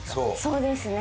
そうですね。